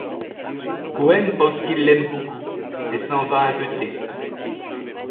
Gwen pense qu'il l'aime beaucoup et s'en va un peu triste.